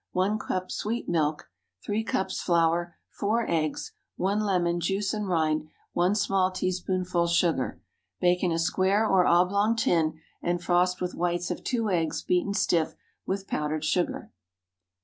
1 cup sweet milk. 3 cups flour. 4 eggs. 1 lemon, juice and rind. 1 small teaspoonful soda. Bake in a square or oblong tin, and frost with whites of two eggs beaten stiff with powdered sugar.